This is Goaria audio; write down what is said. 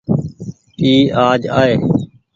اي آج آئي۔